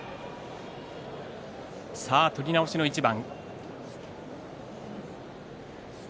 取り直しの一番。